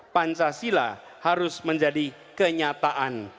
pancasila harus menjadi kenyataan